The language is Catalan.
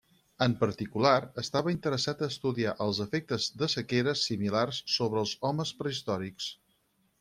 En particular, estava interessat a estudiar els efectes de sequeres similars sobre els homes prehistòrics.